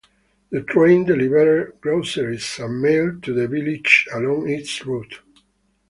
The train delivered groceries and mail to the villages along its route.